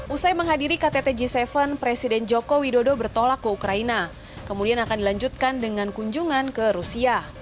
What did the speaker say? usai menghadiri ktt g tujuh presiden jokowi dodo bertolak ke ukraina kemudian akan dilanjutkan dengan kunjungan ke rusia